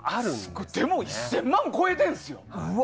すごい、でも１０００万超えてるんですよ。